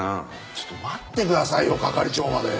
ちょっと待ってくださいよ係長まで。